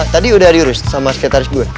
tadi udah diurus sama sekretaris gue